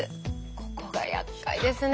ここがやっかいですね。